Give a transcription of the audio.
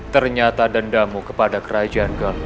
ternyata dendamu kepada kerajaan